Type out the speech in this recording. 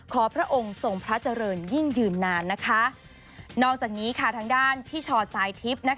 ขอพระองค์ส่งพระเจริญยิ่งยืนนานนอกจากนี้ทางด้านพี่ชอดซายทิป